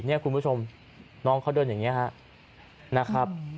นี่คุณผู้ชมน้องเขาโดนอย่างนี้นะครับ